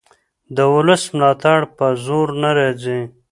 د ولس ملاتړ په زور نه راځي